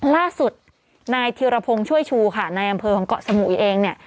ล่าสุดนายธิรพงศ์ช่วยชูค่ะนายอำเภอของเกาะสมุยเองเนี่ย